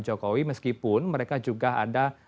jokowi meskipun mereka juga ada